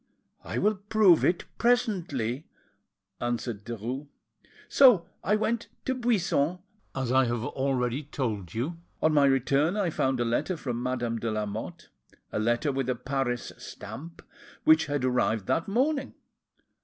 "I will prove it presently," answered Derues. "So I went to Buisson, as I have already told you. On my return I found a letter from Madame de Lamotte, a letter with a Paris stamp, which had arrived that morning.